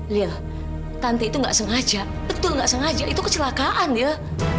liel tante itu gak sengaja betul gak sengaja itu kecelakaan liel